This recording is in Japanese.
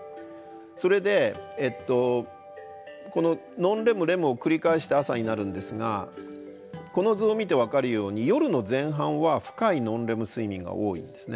それでこのノンレムレムを繰り返して朝になるんですがこの図を見て分かるように夜の前半は深いノンレム睡眠が多いんですね。